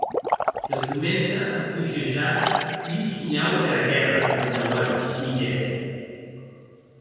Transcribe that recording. Que comence a coishejar un shinhau dera quèrra deth dauant, higec.